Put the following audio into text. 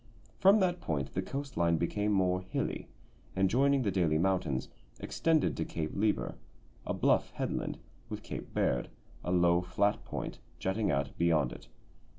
From that point the coast line became more hilly, and, joining the Daly mountains, extended to Cape Lieber, a bluff headland, with Cape Baird, a low, flat point, jutting out beyond it.